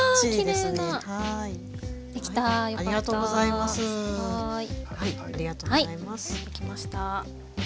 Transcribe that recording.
できました。